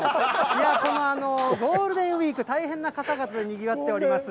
いや、このゴールデンウィーク、大変な方々でにぎわっております。